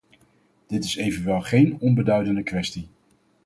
Dit is evenwel geen onbeduidende kwestie.